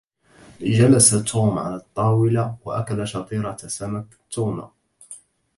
جلس توم على الطاولة وأكل شطيرة سمك التونة.